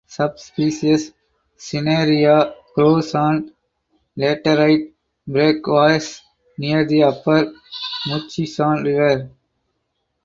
Subspecies "cinerea" grows on laterite breakaways near the upper Murchison River.